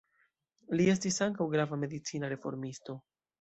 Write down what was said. Li estis ankaŭ grava medicina reformisto.